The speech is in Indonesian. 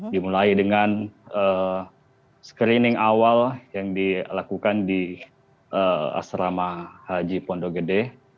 dimulai dengan screening awal yang dilakukan di asrama haji pondok gede